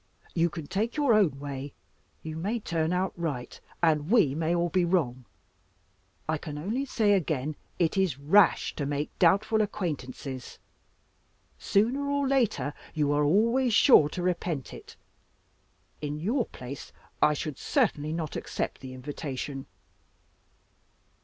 "You can take your own way. You may turn out right, and we may all be wrong; I can only say again, it is rash to make doubtful acquaintances. Sooner or later you are always sure to repent it. In your place I should certainly not accept the invitation."